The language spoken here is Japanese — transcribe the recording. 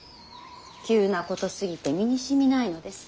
急なことすぎて身にしみないのです。